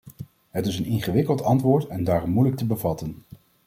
Het is een ingewikkeld antwoord en daarom moeilijk te bevatten.